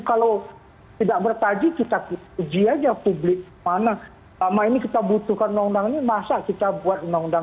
kalau tidak bertaji kita puji aja publik mana lama ini kita butuhkan nondangnya masa kita buat nondang